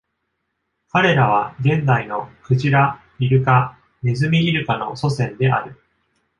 彼らは現代のクジラ、イルカ、ネズミイルカの祖先である。